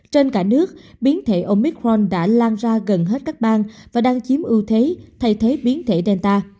trên cả nước biến thể omicron đã lan ra gần hết các bang và đang chiếm ưu thế thay thế biến thể delta